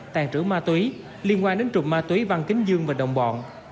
tàn trữ ma túy liên quan đến trục ma túy văn kính dương và đồng bọn